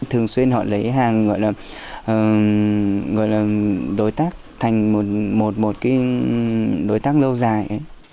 thường xuyên họ lấy hàng gọi là đối tác thành một đối tác lâu dài